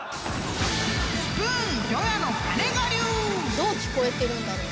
どう聞こえてるんだろう？